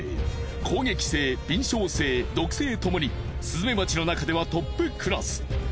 攻撃性敏捷性毒性ともにスズメバチの中ではトップクラス。